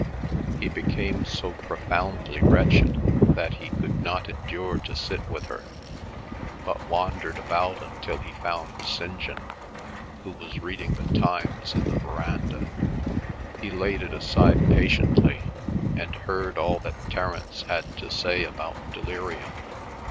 He became so profoundly wretched that he could not endure to sit with her, but wandered about until he found St. John, who was reading The Times in the verandah. He laid it aside patiently, and heard all that Terence had to say about delirium.